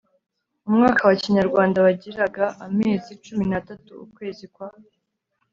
umwaka wa kinyarwanda wagiraga amezi cumi n'atatu. ukwezi kwa